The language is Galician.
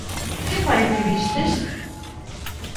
Que foi o que vistes?